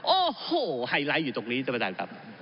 โอ้โหไฮไลท์อยู่ตรงนี้ท่านประธานครับ